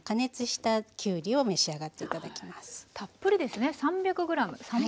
たっぷりですね。